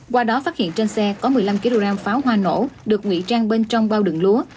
qua đó phát hiện trên xe có một mươi năm kg pháo hoa nổ được nguy trang bên trong bao đường lúa